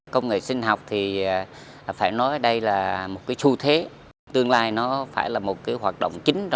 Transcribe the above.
công nghệ sinh học thì phải nói đây là một cái xu thế tương lai nó phải là một hoạt động chính